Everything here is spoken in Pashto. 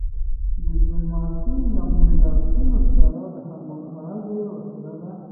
ډیپلوماسي له ملتونو سره د همږغی وسیله ده.